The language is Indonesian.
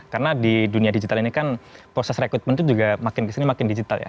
karena di dunia digital ini kan proses recruitment tuh juga makin kesini makin digital ya